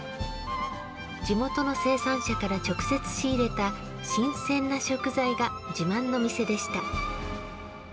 地元の生産者から直接仕入れた新鮮な食材が自慢の店でした。